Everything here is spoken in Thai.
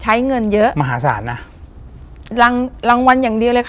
ใช้เงินเยอะมหาศาลน่ะ